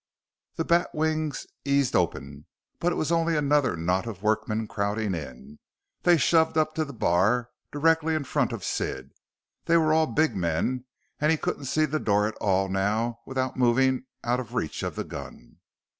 The batwings eased open, but it was only another knot of workmen crowding in. They shoved up to the bar directly in front of Sid. They were all big men, and he couldn't see the door at all now without moving out of reach of the gun.